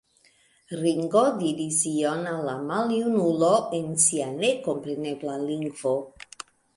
Ringo diris ion al la maljunulo en sia nekomprenebla lingvo.